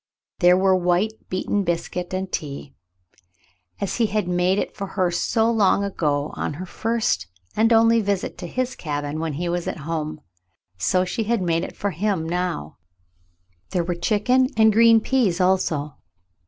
There were white beaten biscuit, and tea — as he had made it for her so long ago on her first and only visit to his cabin when he was at home, so she had made it for him now. There were chicken and green peas, also.